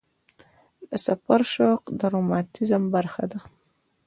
د سفر شوق د رومانتیزم برخه ده.